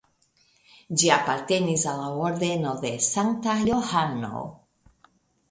Ĝi apartenis al la Ordeno de Sankta Johano.